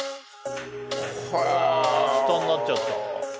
へえうわ下になっちゃった